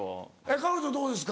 彼女どうですか？